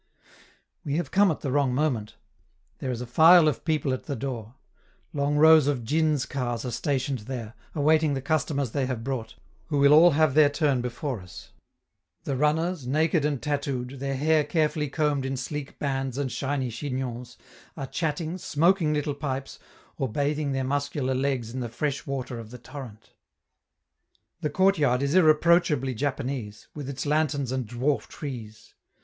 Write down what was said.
We have come at the wrong moment; there is a file of people at the door. Long rows of djins' cars are stationed there, awaiting the customers they have brought, who will all have their turn before us. The runners, naked and tattooed, their hair carefully combed in sleek bands and shiny chignons, are chatting, smoking little pipes, or bathing their muscular legs in the fresh water of the torrent. The courtyard is irreproachably Japanese, with its lanterns and dwarf trees.